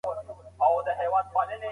هغه څوک چي پاکي کوي منظم وي.